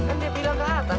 kan dia bilang ke atas